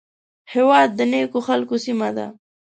هېواد د نیکو خلکو سیمه ده